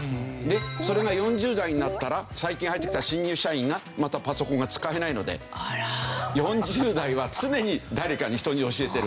でそれが４０代になったら最近入ってきた新入社員がまたパソコンが使えないので４０代は常に誰かに人に教えてる。